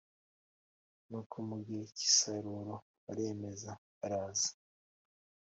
Nuko mu gihe cy isarura baremera baraza